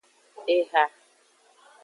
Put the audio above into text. Eha.